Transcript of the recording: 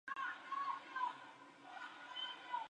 Sobre la escalera se abre una cúpula en linterna.